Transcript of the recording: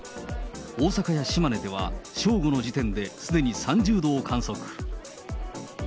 大阪や島根では、正午の時点ですでに３０度を観測。